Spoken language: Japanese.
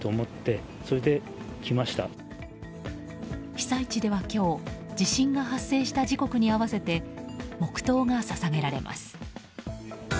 被災地では、今日地震が発生した時刻に合わせて黙祷がささげられます。